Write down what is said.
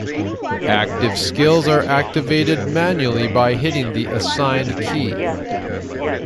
Active skills are activated manually by hitting the assigned key.